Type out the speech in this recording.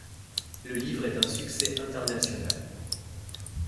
Le livre est un succès international.